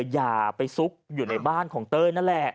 อย่าไปซุกอยู่ในบ้านของเต้ยนั่นแหละ